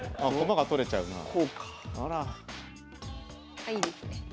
あいいですね。